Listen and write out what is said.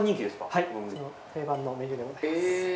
はい、定番のメニューでございます。